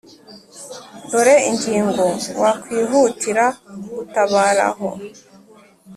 dore ingingo wakihutira gutabara aho